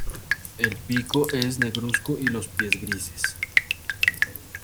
El pico es negruzco y los pies grises.